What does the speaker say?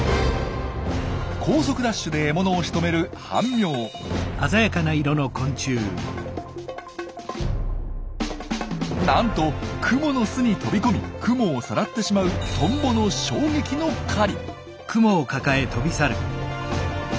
高速ダッシュで獲物をしとめるなんとクモの巣に飛び込みクモをさらってしまうトンボの衝撃の狩り。